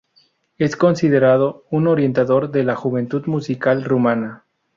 Es considerado un orientador de la juventud musical rumana.